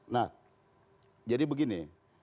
nah jadi begini